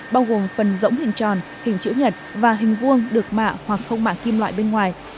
bao gồm phần rỗng hình tròn hình chữ nhật và hình vuông được mạ hoặc không mạ kim loại bên ngoài